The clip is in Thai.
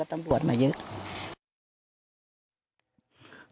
กระดิ่งเสียงเรียกว่าเด็กน้อยจุดประดิ่ง